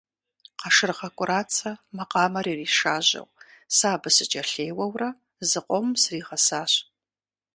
Къашыргъэ КӀурацэ макъамэр иришажьэу, сэ абы сыкӀэлъеуэурэ зыкъомым сригъэсащ.